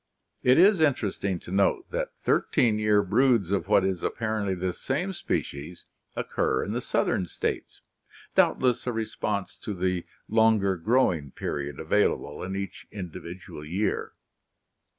It is interesting to note that thirteen year broods of what is apparently this same species occur in the southern states, doubtless a response to the longer growing period available in each individual year.